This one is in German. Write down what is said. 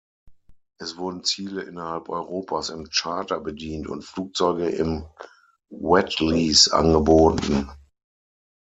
Es wurden Ziele innerhalb Europas im Charter bedient und Flugzeuge im Wetlease angeboten.